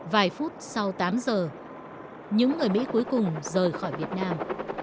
vài phút sau tám giờ những người mỹ cuối cùng rời khỏi việt nam